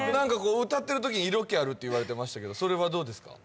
歌ってるときに色気あるって言われてましたけどそれはどうですか？